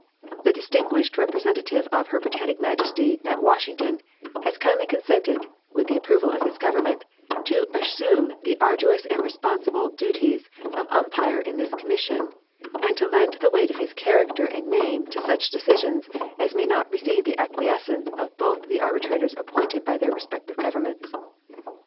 The distinguished representative of Her Britannic Majesty at Washington has kindly consented, with the approval of his Government, to assume the arduous and responsible duties of umpire in this commission, and to lend the weight of his character and name to such decisions as may not receive the acquiescence of both the arbitrators appointed by the respective Governments.